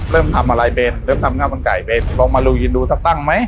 เริ่มทำอะไรเป็นเริ่มทำข้าวมันไก่ไปลองมารูยินดูสักตั้งไหม